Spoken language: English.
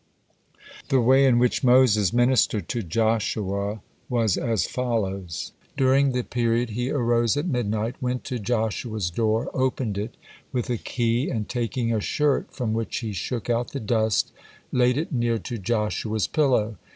The way in which Moses ministered to Joshua was as follows. During the period he arose at midnight, went to Joshua's door, opened it with a key, and taking a shirt from which he shook out the dust, laid it near to Joshua's pillow.